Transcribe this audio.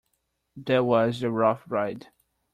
That was a rough ride.